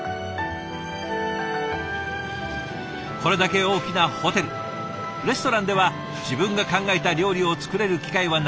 これだけ大きなホテルレストランでは自分が考えた料理を作れる機会はなかなかないそうですが